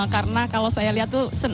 karena kalau saya lihat tuh